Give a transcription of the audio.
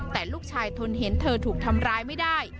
แต่ลูกชายทนเห็นเธอถูกทำร้ายไม่ได้